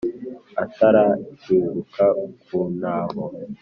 Atarahinguka ku ntaho.